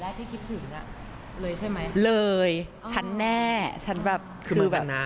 คือสิ่งแรกที่คิดถึงเลยใช่ไหม